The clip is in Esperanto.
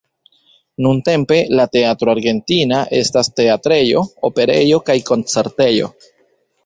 Nuntempe la Teatro Argentina kaj estas teatrejo, operejo kaj koncertejo.